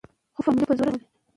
له تجربو څخه ګټه واخلئ.